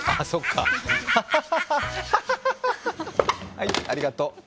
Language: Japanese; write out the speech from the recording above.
はい、ありがとう。